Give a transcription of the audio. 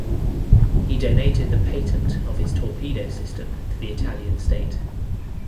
He donated the patent of his torpedo system to the Italian State.